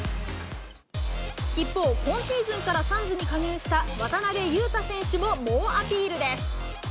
一方、今シーズンからサンズに加入した渡邊雄太選手も猛アピールです。